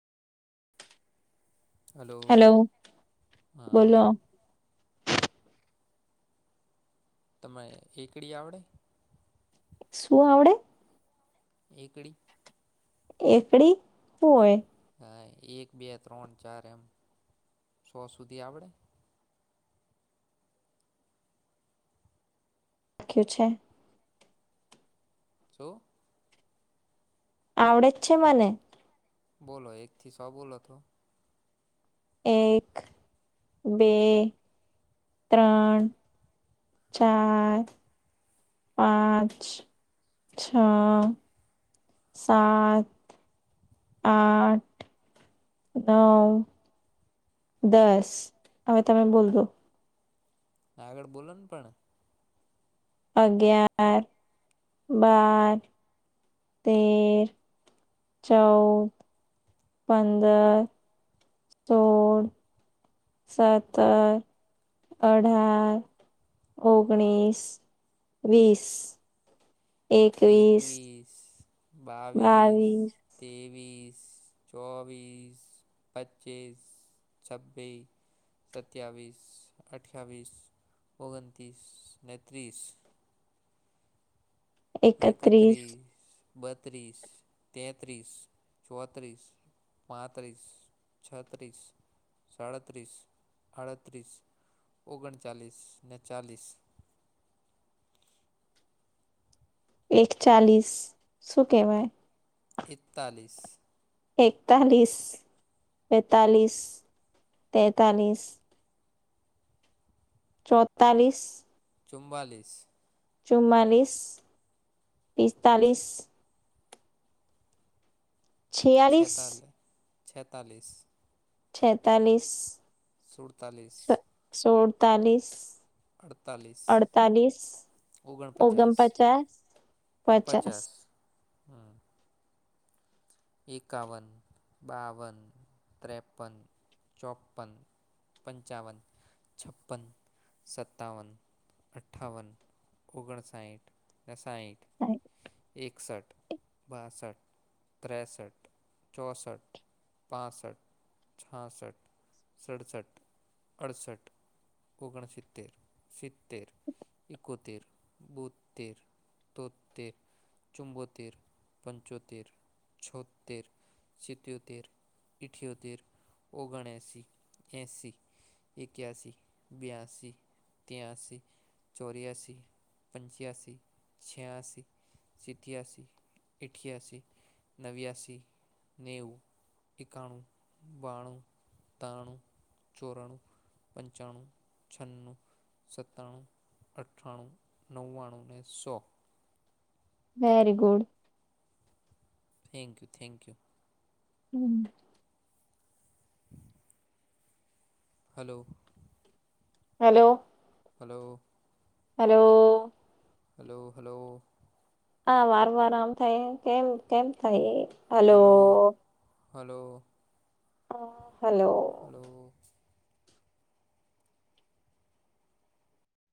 Hello hello હા. બોલો તને એકડી આવડે. શું આવડે. એકડી. એકડી શું હોય. હા એક બે ત્રણ ચાર એમ સો સુધી આવડે. કુ છે. શું. આવડે જ છે મને. બોલો એકથી સો બોલો તો. એક, બે, ત્રણ. ચાર. પાંચ, છ. સાત, આઠ, નવ. દસ, હવે તમે બોલો. આગળ બોલો ને પણ. અગિયાર, બાર. તેર, ચૌદ. પંદર, સોળ. સત્તર, અઢાર, ઓગણીસ. વીસ. એકવીસ, બાવીસ. ત્રેવીસ, ચોવીસ, પચીસ. છબીસ. સત્યાવીસ, અઠવીસ, ઓગણતીસ, નેત્રીસ. એકત્રીસ, બત્રીસ, તેત્રીસ, ચોત્રીસ. પાંત્રીસ, છત્રીસ. સાડત્રીસ, આડત્રીસ, ઓગણચાલીસ, ને ચાલીસ. એક ચાલીસ, શું કહેવાય? એકતાલીસ. એકતાલીસ, બેતાલીસ, તેતાલીસ. ચોતાલીસ. ચુવાલીસ. ચુમલીસ, પિસ્તાલીસ. છિયાલીસ છેતાલીસ છેતાલીસ. છેતાલીસ. સુડતાલીસ. સોડતાલીસ. અડતાલીસ, અડતાલીસ, ઓગણપચાસ. પચાસ પંચાસ, હમ. એકાવન, બાવન, ત્રેપન, ચોપન. પંચાવન, છપ્પન, સત્તાવન, અઠાાવન. ઓગણસાઠ, સાઠ. થ [unintelligible] એકસઠ, બાસઠ. ત્રેસઠ, ચોંસઠ. પાસઠ, છાસઠ, સડસઠ, અડસઠ. ઓગણ સિત્તેર, સિત્તેર. ઈકોત, બુધર, તત્વે. ચુંબોતીર, પંચોતેર. છોતેર. સિત્યોતેર, ઇઠ્યોતેર, ઓગણએંસી. એંસી. એક્યાસી, બ્યાસી. ત્યાસી, ચોર્યાસી, પંચ્યાસી, છ્યાસી. સીત્યાશસી, ઇઠ્યાશસી. નનેવ્યાસી, નેવું, એકાણું, બાણું, ત્રણું. ચોરાણું, પંચાણું, છનું. સત્તણું, અઠાણું, નવ્વાણું અને સો. Very good. Thank you thank you. Hmm. હ [unintelligible] hello hello hello hello hello hello હા વાર વાર આમ થાય કેમ કેમ થાય. Hello hello. હ હલો. હલો.